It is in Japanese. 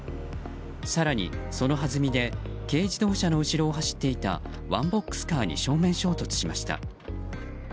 更に、そのはずみで軽自動車の後ろを走っていたワンボックスカーに正面衝突しました。